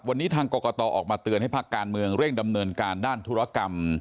วันนี้ทางกรกตออกมาเตือนให้ภาคการเมืองเร่งดำเนินการด้านธุรกรรม